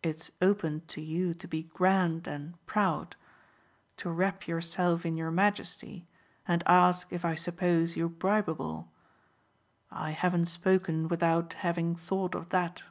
It's open to you to be grand and proud to wrap yourself in your majesty and ask if I suppose you bribeable. I haven't spoken without having thought of that."